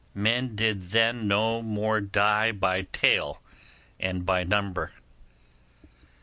Men did then no more die by tale and by number.